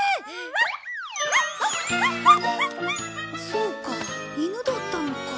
そうか犬だったのか。